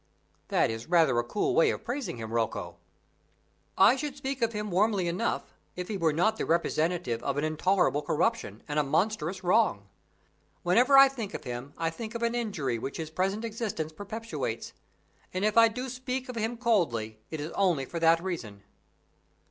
"That is rather a cool way of praising him, Rocco." "I should speak of him warmly enough, if he were not the representative of an intolerable corruption, and a monstrous wrong. Whenever I think of him I think of an injury which his present existence perpetuates; and if I do speak of him coldly, it is only for that reason."